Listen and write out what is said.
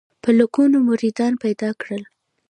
په لکونو مریدان پیدا کړل.